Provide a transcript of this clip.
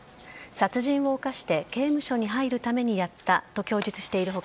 殺人を犯して刑務所に入るためにやったと供述している他